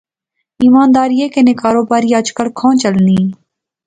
ایمانداریا کنے کاروباری اج کل کھان چلنا؟